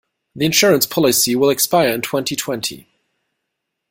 The insurance policy will expire in twenty-twenty.